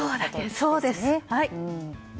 そうです。